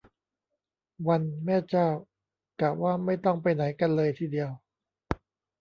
วัน แม่เจ้า กะว่าไม่ต้องไปไหนกันเลยทีเดียว